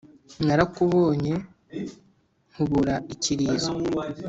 Narakubonye nkubura ikirizo